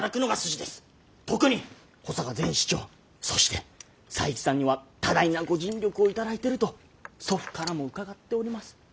特に保坂前市長そして佐伯さんには多大なご尽力を頂いてると祖父からも伺っております。